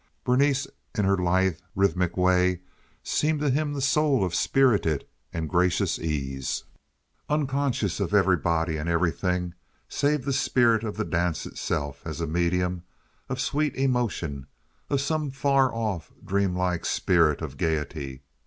Berenice, in her lithe, rhythmic way, seemed to him the soul of spirited and gracious ease—unconscious of everybody and everything save the spirit of the dance itself as a medium of sweet emotion, of some far off, dreamlike spirit of gaiety.